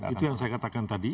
itu yang saya katakan tadi